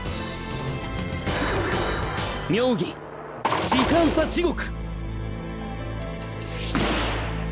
妙技時間差地獄！